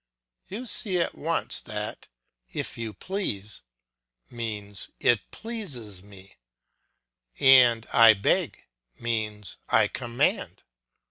You see at once that "If you please" means "It pleases me," and "I beg" means "I command."